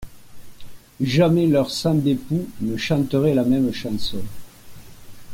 Jamais leurs sangs d'époux ne chanteraient la même chanson.